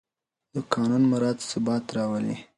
د قانون مراعت ثبات راولي